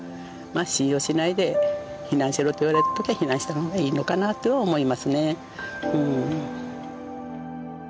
信用しないで「避難しろ」と言われたときは避難した方がいいのかなとは思いますね。